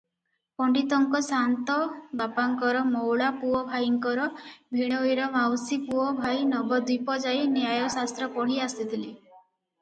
ପଣ୍ତିତଙ୍କ ସାଆନ୍ତବାପାଙ୍କର ମଉଳା ପୁଅ ଭାଇଙ୍କର ଭିଣୋଇର ମାଉସୀପୁଅ ଭାଇ ନବଦ୍ୱୀପ ଯାଇ ନ୍ୟାୟଶାସ୍ତ୍ର ପଢ଼ି ଆସିଥିଲେ ।